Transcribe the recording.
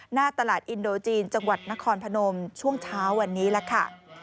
หน้าตลาดอินโดจีนจังหวัดนครพนมช่วงเช้าวันนี้ล่ะค่ะ